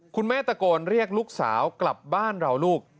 คุณแม่ตะโกนเรียกลูกสาวกลับบ้านเราลูก